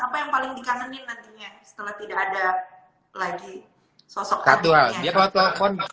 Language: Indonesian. apa yang paling dikangenin nantinya setelah tidak ada lagi sosok kartunnya